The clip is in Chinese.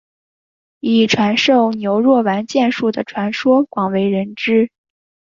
以传授牛若丸剑术的传说广为人知。